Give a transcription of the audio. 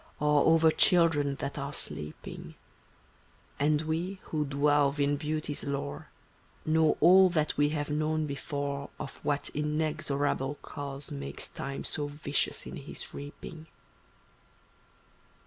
Or over children that are sleeping; And we who delve in beauty's lore Know all that we have known before Of what inexorable cause Makes Time so vicious in his reaping.